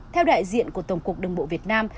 theo đại diện của tổng cục đường bộ việt nam